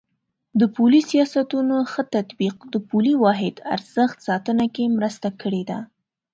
د پولي سیاستونو ښه تطبیق د پولي واحد ارزښت ساتنه کې مرسته کړې ده.